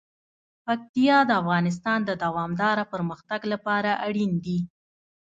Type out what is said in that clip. پکتیا د افغانستان د دوامداره پرمختګ لپاره اړین دي.